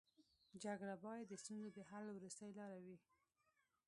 جګړه باید د ستونزو د حل وروستۍ لاره وي